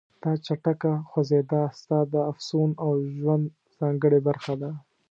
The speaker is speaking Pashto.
دا چټکه خوځېدا ستا د افسون او ژوند ځانګړې برخه ده.